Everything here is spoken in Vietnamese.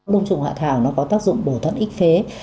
đồng trùng hạ thảo có tác dụng bổ thận ích phế